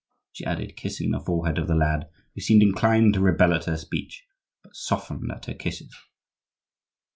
she added, kissing the forehead of the lad, who seemed inclined to rebel at her speech, but softened at her kisses.